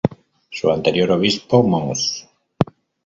Su anterior obispo Mons.